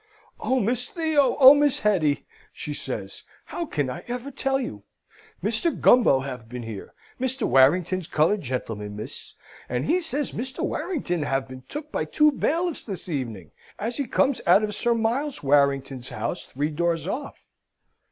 "Oh, Miss Theo! Oh, Miss Hetty!" she says. "How ever can I tell you? Mr. Gumbo have been here, Mr. Warrington's coloured gentleman, miss; and he says Mr. Warrington have been took by two bailiffs this evening, as he comes out of Sir Miles Warrington's house three doors off."